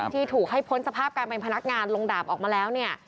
ที่ถูกให้พ้นสภาพการเป็นพนักงานลงดาบออกมาแล้วเนี่ย